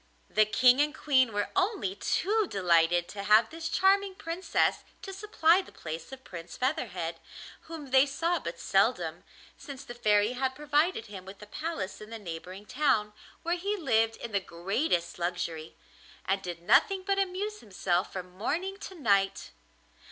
The King and Queen were only too delighted to have this charming Princess to supply the place of Prince Featherhead, whom they saw but seldom, since the Fairy had provided him with a palace in the neighbouring town, where he lived in the greatest luxury, and did nothing but amuse himself from morning to night.